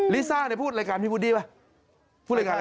ลิซ่าเนี่ยพูดรายการพี่พูดดีป่ะ